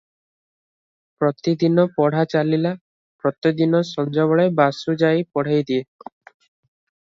ପ୍ରତିଦିନ ପଢ଼ା ଚାଲିଲା, ପ୍ରତିଦିନ ସଞ୍ଜବେଳେ ବାସୁ ଯାଇ ପଢ଼େଇଦିଏ ।